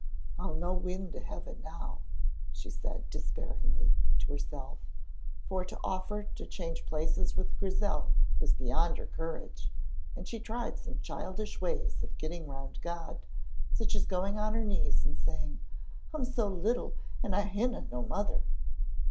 "I'll no win to Heaven now," she said, despairingly, to herself, for to offer to change places with Grizel was beyond her courage, and she tried some childish ways of getting round God, such as going on her knees and saying, "I'm so little, and I hinna no mother!"